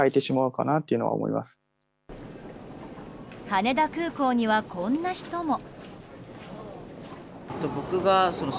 羽田空港には、こんな人も。